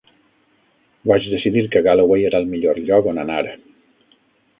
Vaig decidir que Galloway era el millor lloc on anar.